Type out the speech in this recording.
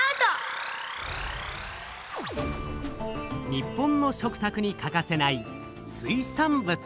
日本の食たくに欠かせない水産物。